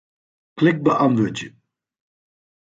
Klik Beäntwurdzje.